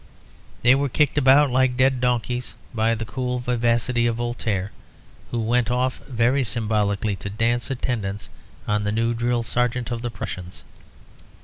They were kicked about like dead donkeys by the cool vivacity of Voltaire; who went off, very symbolically, to dance attendance on the new drill sergeant of the Prussians.